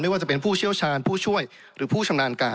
ว่าจะเป็นผู้เชี่ยวชาญผู้ช่วยหรือผู้ชำนาญการ